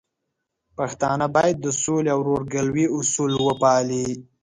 پښتانه بايد د سولې او ورورګلوي اصول وپالي.